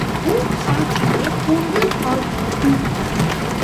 உன் சமர்த்திலே குண்டு பாயாது.